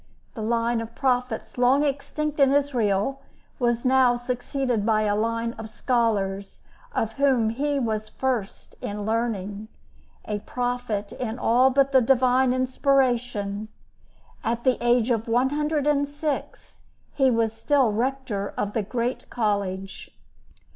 The line of prophets, long extinct in Israel, was now succeeded by a line of scholars, of whom he was first in learning—a prophet in all but the divine inspiration! At the age of one hundred and six, he was still Rector of the Great College.